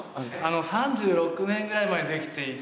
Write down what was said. ３６年ぐらい前にできていて。